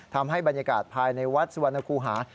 ทำให้บรรยากาศภายในวัดสุวรรณคูหา